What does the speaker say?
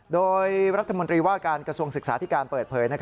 โดยรัฐมนตรีว่าการกระทรวงศึกษาที่การเปิดเผย